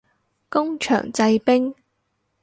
工場製冰